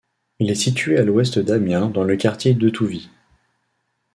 Il est situé à l'ouest d'Amiens dans le quartier d'Etouvie.